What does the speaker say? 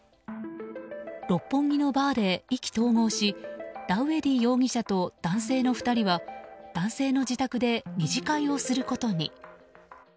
六本木のバーで意気投合しダウエディ容疑者と男性の２人は男性の自宅で２次会をすることに。